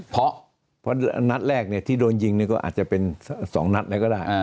เพราะเพราะนัทแรกเนี่ยที่โดนยิงก็อาจจะเป็นสองนัทเลยก็ได้